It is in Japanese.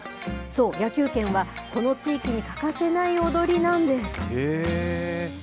そう、野球拳は、この地域に欠かせない踊りなんです。